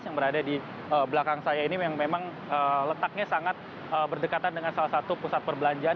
yang berada di belakang saya ini memang letaknya sangat berdekatan dengan salah satu pusat perbelanjaan